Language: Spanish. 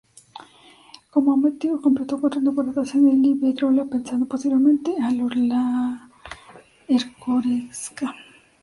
Como amateur completó cuatro temporadas en el Iberdrola, pasando posteriormente al Olarra-Ercoreca.